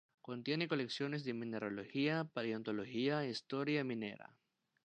Contiene colecciones de mineralogía, paleontología e historia minera.